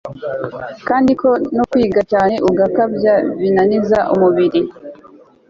kandi ko no kwiga cyane ugakabya binaniza umubiri